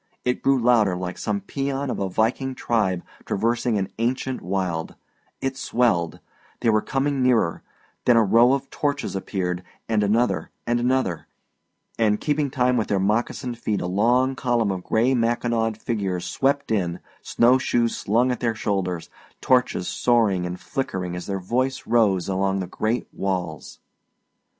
It grew louder like some pæan of a viking tribe traversing an ancient wild; it swelled they were coming nearer; then a row of torches appeared, and another and another, and keeping time with their moccasined feet a long column of gray mackinawed figures swept in, snow shoes slung at their shoulders, torches soaring and flickering as their voice rose along the great walls.